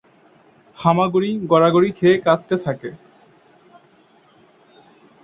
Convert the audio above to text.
হামাগুড়ি, গড়াগড়ি খেয়ে কাঁদতে থাকে।